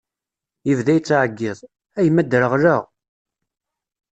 Yebda yettɛeyyiḍ: a yemma ddreɣleɣ!